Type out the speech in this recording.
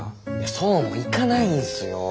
そうもいかないんすよ。